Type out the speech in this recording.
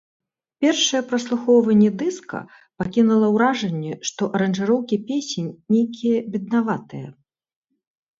Першае праслухоўванне дыска пакінула ўражанне, што аранжыроўкі песень нейкія беднаватыя.